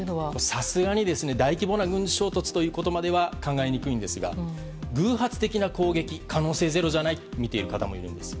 さすがに大規模な軍事衝突とまでは考えにくいんですが偶発的な攻撃は可能性ゼロではないとみている方もいるんです。